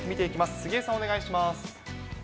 杉江さん、お願いします。